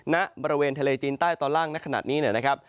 ณบริเวณทะเลจีนใต้ตอนล่างในขณะนี้นะครับ